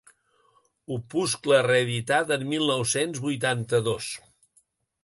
Opuscle reeditat en mil nou-cents vuitanta-dos.